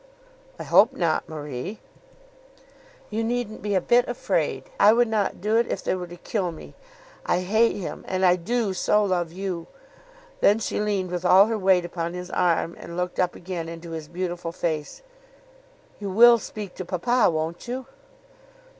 "I hope not, Marie." "You needn't be a bit afraid. I would not do it if they were to kill me. I hate him, and I do so love you." Then she leaned with all her weight upon his arm and looked up again into his beautiful face. "You will speak to papa; won't you?"